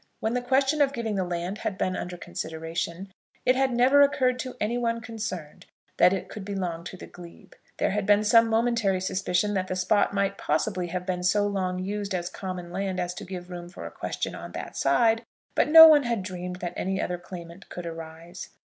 When the question of giving the land had been under consideration, it had never occurred to any one concerned that it could belong to the glebe. There had been some momentary suspicion that the spot might possibly have been so long used as common land as to give room for a question on that side; but no one had dreamed that any other claimant could arise.